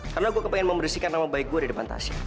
karena gue kepengen membersihkan nama baik gue di depan tasya